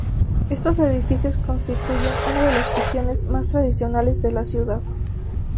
Estos edificios constituyen una de las visiones más tradicionales de la ciudad.